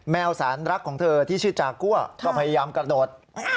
วสารรักของเธอที่ชื่อจากัวก็พยายามกระโดด